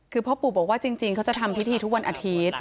คือพ่อปู่บอกว่าจริงเขาจะทำพิธีทุกวันอาทิตย์